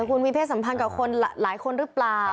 คุณมีเพศสัมพันธ์กับคนหลายคนหรือเปล่า